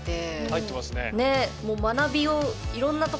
入ってますね。ね。